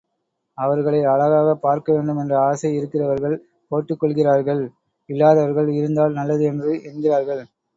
அவர்களை அழகாகப் பார்க்க வேண்டும் என்ற ஆசை இருக்கிறவர்கள் போட்டுக்கொள்கிறார்கள் இல்லாதவர்கள் இருந்தால் நல்லது என்று எண் கிறார்கள்.